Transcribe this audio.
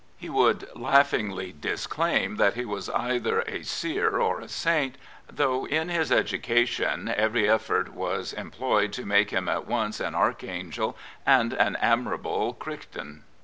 It follows that he would disclaim that he is either a seer or a saint, though in his education every efifort was employed to make him at once an Archangel and an Admirable Crichton.